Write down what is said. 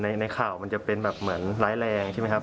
มันในข่าวจะเป็นเหมือนแร้แรงชิบี่ไหมครับ